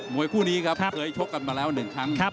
วยคู่นี้ครับเคยชกกันมาแล้ว๑ครั้ง